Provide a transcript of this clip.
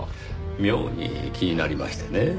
妙に気になりましてね。